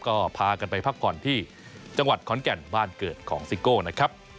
ก็พากันไปพักผ่อนที่จังหวัดขอนแก่นบ้านเกิดของซิโก้นะครับ